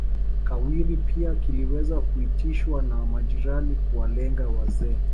Kiwiri pia kiliweza kuitishwa na majirani kuwalenga wazee